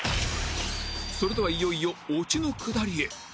それではいよいよオチのくだりへ